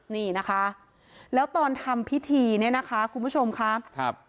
นี่นะคะแล้วตอนทำพิธีเนี่ยนะคะคุณผู้ชมครับ